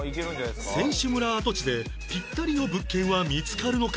選手村跡地でピッタリの物件は見つかるのか？